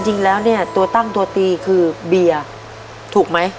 จริงแล้วเนี่ยตัวตั้งตัวตีคือเบียร์ถูกไหม